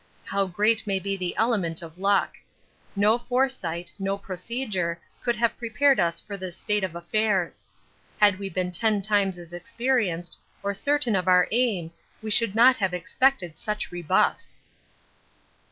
How great may be the element of luck! No foresight no procedure could have prepared us for this state of affairs. Had we been ten times as experienced or certain of our aim we should not have expected such rebuffs.